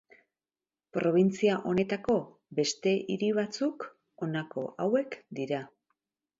Probintzia honetako beste hiri batzuk, honako hauek dira.